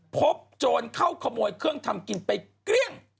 โจรเข้าขโมยเครื่องทำกินไปเกลี้ยง